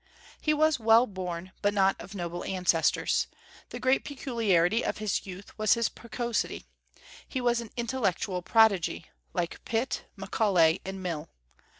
He was well born, but not of noble ancestors. The great peculiarity of his youth was his precocity. He was an intellectual prodigy, like Pitt, Macaulay, and Mill.